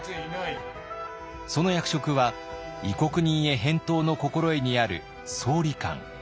その役職は「異国人江返答之心得」にある「総理官」。